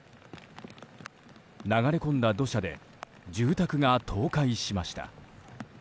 流れ込んだ土砂で住宅が倒壊しました。